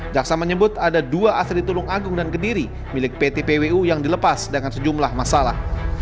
jaksa menyebut ada dua asri tulung agung dan kediri milik pt pwu yang dilepas dengan sejumlah masalah